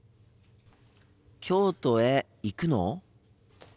京都へ行くの？